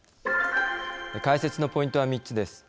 解説のポイントは３つです。